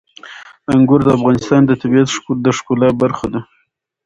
انګور د افغانستان د طبیعت د ښکلا برخه ده.